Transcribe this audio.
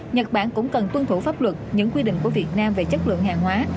nhật bản cũng cần tuân thủ pháp luật những quy định của việt nam về chất lượng hàng hóa